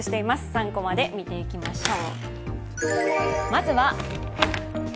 ３コマで見ていきましょう。